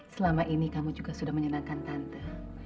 selama ini kamu juga sudah menyenangkan tante